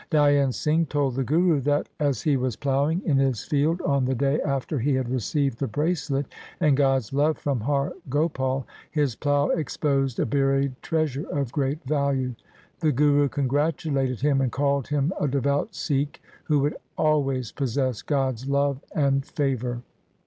Dhyan Singh told the Guru that, as he was ploughing in his field on the day after he LIFE OF GURU GOBIND SINGH 151 had received the bracelet and God's love from Har Gopal, his plough exposed a buried treasure of great value. The Guru congratulated him and called him a devout Sikh who would always possess God's love and favour.